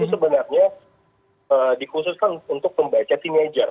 itu sebenarnya dikhususkan untuk membaca teenager